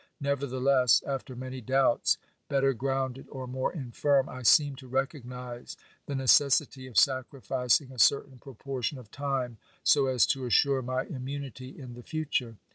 Nevertheless, after many doubts, better grounded or more infirm, I seemed to recognise the necessity of sacrificing a certain proportion of time so as to assure my immunity in the future.